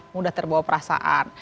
mudah terbawa perasaan